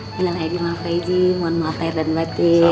bila lagi mau feji mohon maaf air dan batin